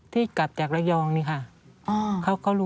ที่กลับจากระยองนี่ค่ะ